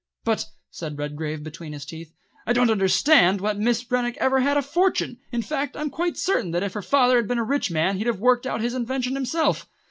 "But," said Redgrave between his teeth, "I didn't understand that Miss Rennick ever had a fortune; in fact I'm quite certain that if her father had been a rich man he'd have worked out his invention himself."